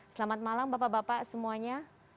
selamat malam bapak bapak semuanya